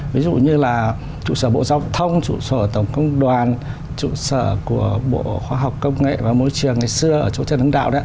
ví dụ như là trụ sở bộ giao thông trụ sở tổng công đoàn trụ sở của bộ khoa học công nghệ và môi trường ngày xưa ở chỗ trần hưng đạo đấy